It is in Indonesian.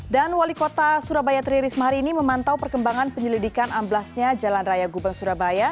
dan wali kota surabaya tri risma hari ini memantau perkembangan penyelidikan amblasnya jalan raya gubeng surabaya